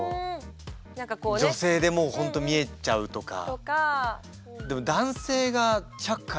女性でもう本当見えちゃうとか。